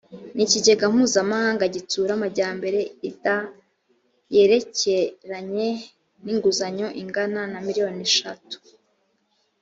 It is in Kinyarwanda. n ikigega mpuzamahanga gitsura amajyambere ida yerekeranye n inguzanyo ingana na miliyoni eshatu